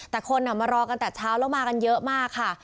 แต่คนมารอกันแต่เช้าแล้วมากันเยอะมากค่ะ